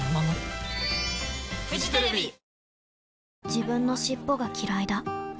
自分の尻尾がきらいだ